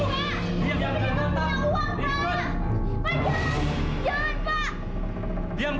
enggak benar pak